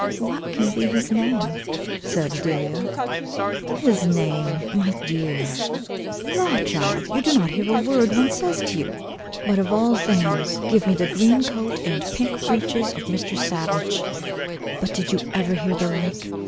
"What can be his name?" said Delia; "His name, my dear; law, child, you do not hear a word one says to you. But of all things, give me the green coat and pink breeches of Mr. Savage. But did you ever hear the like?